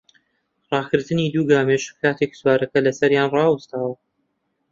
ڕاکردنی دوو گامێش کاتێک سوارەکە لەسەریان ڕاوەستاوە